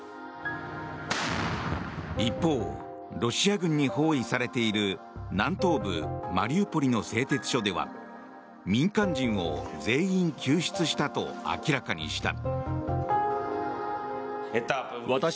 一方、ロシア軍に包囲されている南東部マリウポリの製鉄所では、民間人を全員救出したと明らかにした。